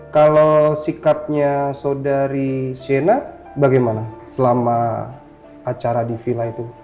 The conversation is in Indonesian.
kalau sikatnya saudari sienna bagaimana selama acara di vila itu